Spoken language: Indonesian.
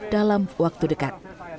dalam waktu dekat